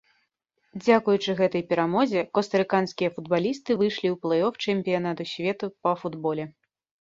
Дзякуючы гэтай перамозе костарыканскія футбалісты выйшлі ў плэй-оф чэмпіянату свету па футболе.